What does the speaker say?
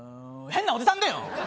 変なおじさんだよ。